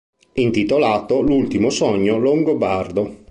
Intitolato "L'ultimo sogno longobardo".